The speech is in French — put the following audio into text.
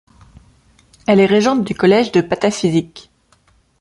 Elle est régente du Collège de 'Pataphysique.